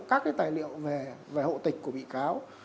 các cái tài liệu về hộ tịch của bị cáo